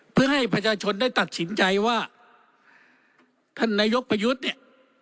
เพื่อให้ประชาชนได้ตัดสินใจว่าท่านนายกประยุทธ์เนี่ย